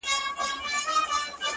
دوى ما اوتا نه غواړي،